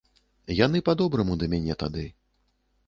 Яны па-добраму да мяне тады.